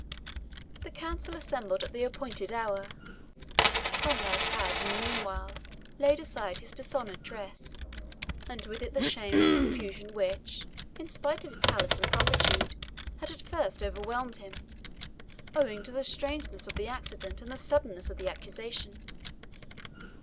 The Council assembled at the appointed hour. Conrade had in the meanwhile laid aside his dishonoured dress, and with it the shame and confusion which, in spite of his talents and promptitude, had at first overwhelmed him, owing to the strangeness of the accident and suddenness of the accusation.